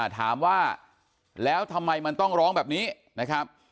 ถามว่าแล้วทำไมมันต้องร้องแบบนี้นะครับ